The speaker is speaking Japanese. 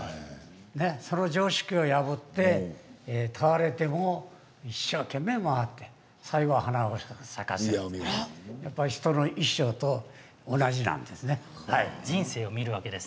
その常識を破って倒れても一生懸命回っている最後は花を咲かせる人の一生と同じなんです。